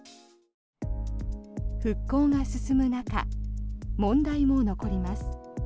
復興が進む中、問題も残ります。